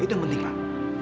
itu yang penting pak